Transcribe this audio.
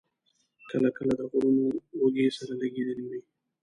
کله کله د غرونو اوږې سره لګېدلې وې.